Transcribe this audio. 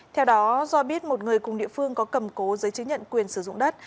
theo đó do biết một người cùng địa phương có cầm cố giấy chứng nhận quyền sử dụng đất